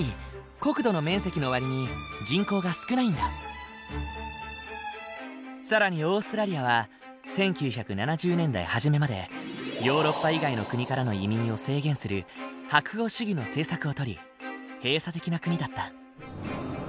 つまり国土の更にオーストラリアは１９７０年代初めまでヨーロッパ以外の国からの移民を制限する白豪主義の政策をとり閉鎖的な国だった。